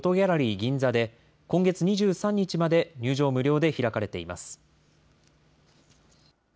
銀座で、今月２３日まで入場無料で開かれています。